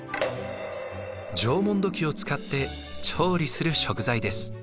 縄文土器を使って調理する食材です。